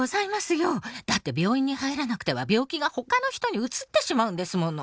よだって病院にはいらなくては病気がほかの人にうつってしまうんですもの」。